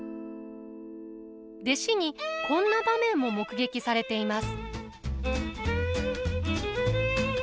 弟子にこんな場面も目撃されています。